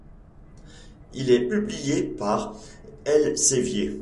Il est publiée par Elsevier.